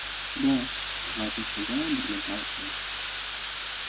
– Да, – важно шагая, бормотал он.